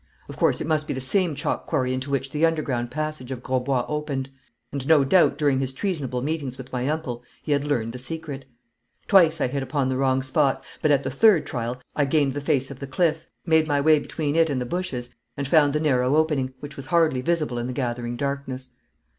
Of course, it must be the same chalk quarry into which the underground passage of Grosbois opened, and no doubt during his treasonable meetings with my uncle he had learned the secret. Twice I hit upon the wrong spot, but at the third trial I gained the face of the cliff, made my way between it and the bushes, and found the narrow opening, which was hardly visible in the gathering darkness.